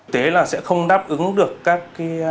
thế là sẽ không đáp ứng được các cái